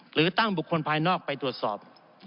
หรือตั้งบุคคลภายนอกไปตรวจสอบ